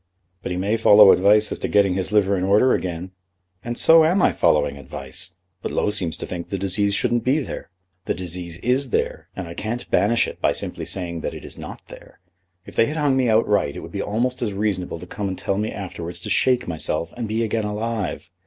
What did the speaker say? "But he may follow advice as to getting his liver in order again." "And so am I following advice. But Low seems to think the disease shouldn't be there. The disease is there, and I can't banish it by simply saying that it is not there. If they had hung me outright it would be almost as reasonable to come and tell me afterwards to shake myself and be again alive.